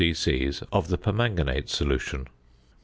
c. of the permanganate solution.